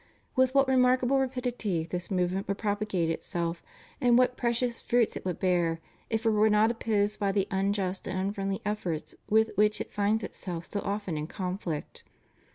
With what remarkable rapidity this movement would propagate itself and what precious fruits it would bear if it were not opposed by the unjust and unfriendly efforts with, which it finds itself so often in conflict.